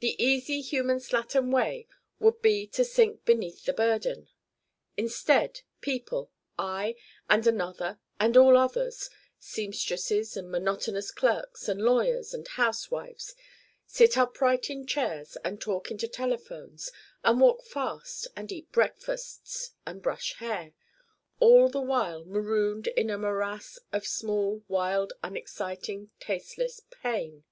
The easy human slattern way would be to sink beneath the burden. Instead, people: I and Another and all others seamstresses and monotonous clerks and lawyers and housewives: sit upright in chairs and talk into telephones and walk fast and eat breakfasts and brush hair: all the while marooned in a morass of small wild unexciting tasteless Pain.